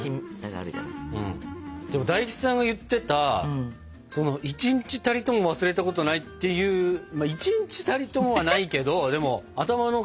でも大吉さんが言ってた一日たりとも忘れたことないっていうまあ一日たりともはないけどでも頭の片隅にはいるなって思いますよ。